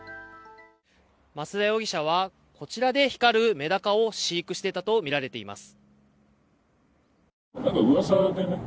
増田容疑者はこちらで光るめだかを飼育していたとみられています。